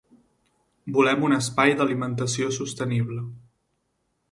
Volem un espai d'alimentació sostenible.